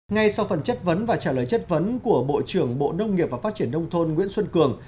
ngay sau phần chất vấn và trả lời chất vấn của bộ trưởng bộ nông nghiệp và phát triển nông thôn nguyễn xuân cường